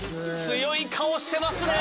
強い顔してますね！